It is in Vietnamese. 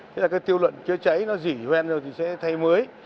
thế là cái tiêu luận chữa cháy nó dỉ quen rồi thì sẽ thay mới